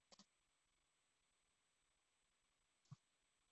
Jazoera aipagarri hau behar bezala ospatzeko hainbat emanaldi berezi prestatuko dira.